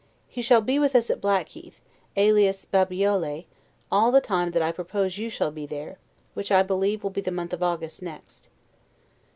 He shall be with us at Blackheath, alias BABIOLE, all the time that I propose you shall be there, which I believe will be the month of August next.